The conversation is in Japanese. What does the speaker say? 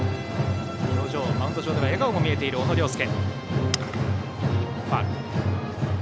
マウンド上では笑顔も見えている、小野涼介。